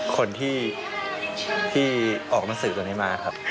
คนที่ออกหนังสือตัวนี้มาครับ